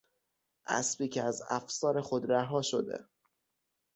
اسبی که از افسار خود رها شده